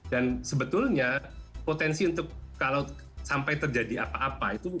dan sebetulnya potensi untuk kalau sampai terjadi apa apa itu